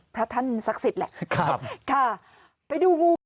พระท่านศักดิ์สิทธิ์แหละครับค่ะไปดูงู